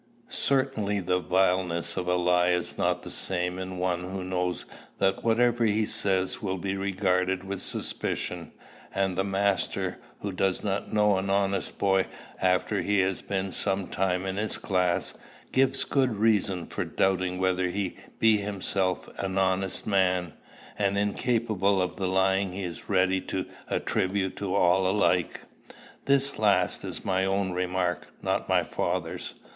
Certainly the vileness of a lie is not the same in one who knows that whatever he says will be regarded with suspicion; and the master, who does not know an honest boy after he has been some time in his class, gives good reason for doubting whether he be himself an honest man, and incapable of the lying he is ready to attribute to all alike. This last is my own remark, not my father's.